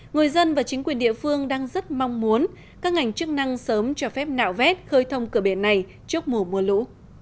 người dân và chính quyền địa phương đang rất mong muốn các ngành chức năng sớm cho phép nạo vét khơi thông cửa biển này trước mùa mưa lũ